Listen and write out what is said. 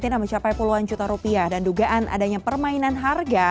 yang mencapai puluhan juta rupiah dan dugaan adanya permainan harga